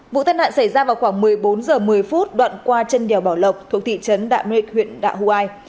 vụ tàn nạn xảy ra vào khoảng một mươi bốn h một mươi phút đoạn qua chân đèo bảo lộc thuộc thị trấn đạm nuyệt huyện đạo hoài